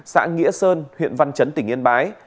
xã nghĩa sơn huyện văn chấn tỉnh yên bái